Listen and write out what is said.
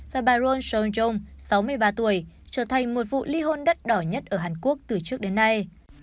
và bà ron so yong sáu mươi ba tuổi trở thành một vụ ly hôn đắt đỏ nhất ở hàn quốc từ trước đến nay